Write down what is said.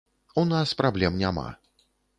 У нас праблем няма.